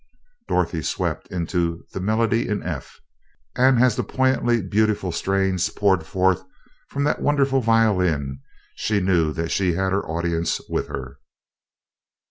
Dorothy swept into "The Melody in F," and as the poignantly beautiful strains poured forth from that wonderful violin, she knew that she had her audience with her.